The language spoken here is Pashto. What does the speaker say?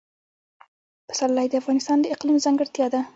پسرلی د افغانستان د اقلیم ځانګړتیا ده.